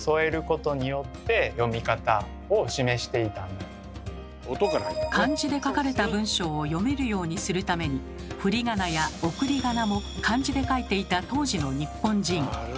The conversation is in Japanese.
このような形で漢字で書かれた文章を読めるようにするためにふりがなや送りがなも漢字で書いていた当時の日本人。